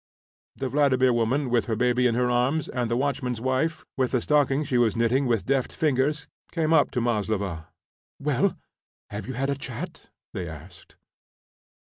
The Vladimir woman, with her baby in her arms, and the watchman's wife, with the stocking she was knitting with deft fingers, came up to Maslova. "Well, have you had a chat?" they asked.